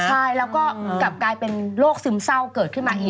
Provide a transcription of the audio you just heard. ใช่แล้วก็กลับกลายเป็นโรคซึมเศร้าเกิดขึ้นมาอีก